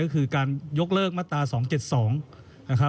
ก็คือการยกเลิกมาตรา๒๗๒